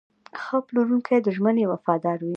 ښه پلورونکی د ژمنې وفادار وي.